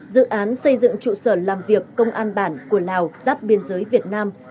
dự án xây dựng trụ sở làm việc công an bản của lào giáp biên giới việt nam